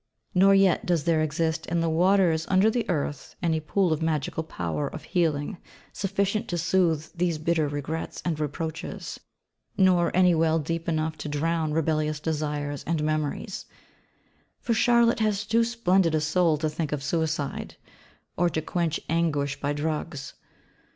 Nor yet does there exist in the waters under the earth any pool of magical power of healing sufficient to soothe these bitter regrets and reproaches; nor any well deep enough to drown rebellious desires and memories: for Charlotte has too splendid a soul to think of suicide; or to quench anguish by drugs.